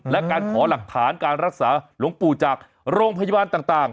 และการขอหลักฐานการรักษาหลวงปู่จากโรงพยาบาลต่าง